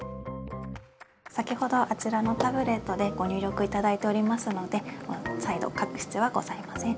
先ほどあちらのタブレットでご入力いただいておりますので再度書く必要はございません。